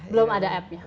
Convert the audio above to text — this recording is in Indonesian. belum ada app nya